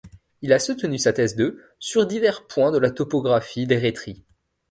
Il a soutenu sa thèse de sur divers points de la topographie d'Érétrie.